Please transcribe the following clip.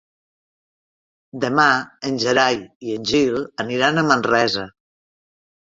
Demà en Gerai i en Gil aniran a Manresa.